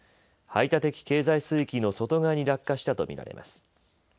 排他的経済水域の外側に落下したと見られます。